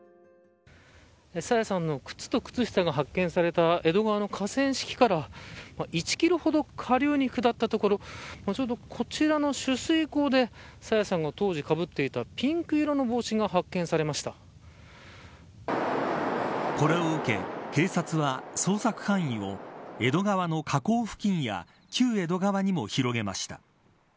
朝芽さんの靴と靴下が発見された江戸川の河川敷から１キロほど下流に下った所ちょうど、こちらの取水口で朝芽さんが当時かぶっていたピンク色の帽子がこれを受け警察は捜索範囲を江戸川の河口付近や旧江戸川にも広げました。